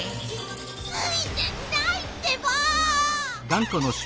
ついてないってば！